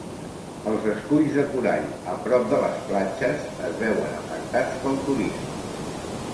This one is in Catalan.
Els esculls de corall a prop de les platges es veuen afectats pel turisme.